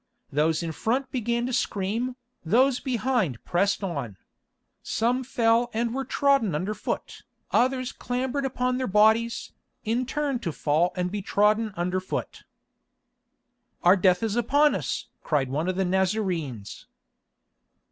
Those in front began to scream, those behind pressed on. Some fell and were trodden underfoot, others clambered upon their bodies, in turn to fall and be trodden underfoot. "Our death is upon us!" cried one of the Nazarenes.